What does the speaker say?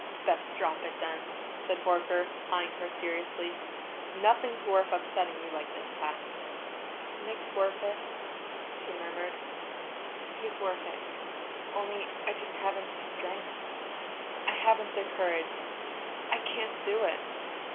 "Best drop it, then," said Horker, eyeing her seriously. "Nothing's worth upsetting yourself like this, Pat." "Nick's worth it," she murmured. "He's worth it only I just haven't the strength. I haven't the courage. I can't do it!"